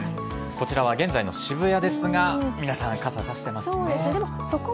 こちらは現在の渋谷ですが皆さん、傘、差してますね。